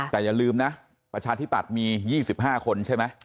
แต่อย่าลืมนะประชาธิปัตย์มี๒๕คนใช่ไหม